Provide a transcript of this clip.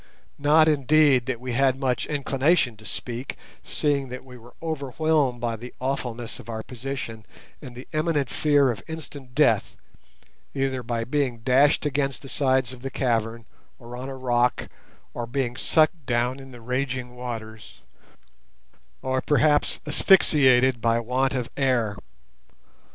Not, indeed, that we had much inclination to speak, seeing that we were overwhelmed by the awfulness of our position and the imminent fear of instant death, either by being dashed against the sides of the cavern, or on a rock, or being sucked down in the raging waters, or perhaps asphyxiated by want of air.